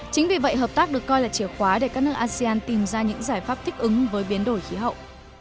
chính vì vậy hợp tác được coi là chìa khóa để các nước asean tìm ra những giải pháp thích ứng với biến đổi khí hậu